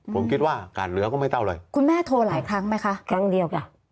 ผมคิดว่าอากาศเหลือก็ไม่เท่าไหร่คุณแม่โทรหลายครั้งไหมคะครั้งเดียวจ้ะ